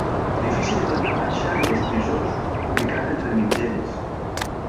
Edifici de planta baixa i dos pisos, ubicat entre mitgeres.